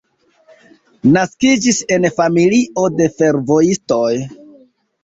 Naskiĝis en familio de fervojistoj.